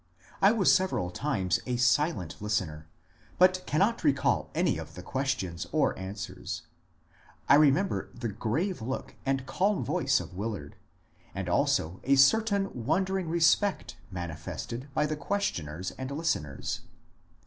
I was several times a silent listener, but cannot recall any of the questions or answers. I remember the grave look and calm voice of Willard, and also a certain wondering respect mani fested by the questioners and listeners.